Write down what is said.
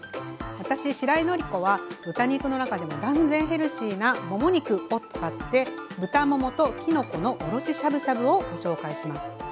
私しらいのりこは豚肉の中でも断然ヘルシーなもも肉を使って豚ももときのこのおろししゃぶしゃぶをご紹介します。